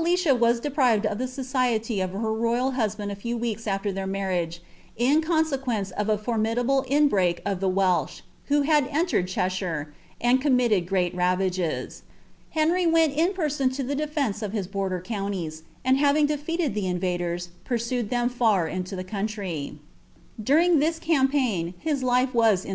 licia was deprived of the society of her royal husband a few aAer their marriage, in consequence of a formidable inbreak of elsh, who had entered Cheshire, and committed great ravages, went in person to the defence of his border counties, and having *d the invaders, pursued them far into the country, ing this campaign his life was in.